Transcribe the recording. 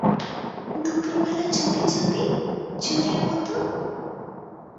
দুপুরবেলা চুপিচুপি, চোরের মতো!